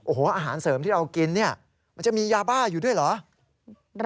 โอ้โหอาหารเสริมที่เรากินเนี่ยมันจะมียาบ้าอยู่ด้วยเหรอ